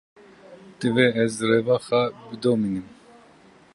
Divê ez reva xwe bidomînim.